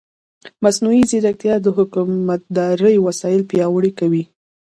مصنوعي ځیرکتیا د حکومتدارۍ وسایل پیاوړي کوي.